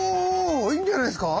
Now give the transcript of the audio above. いいんじゃないですか！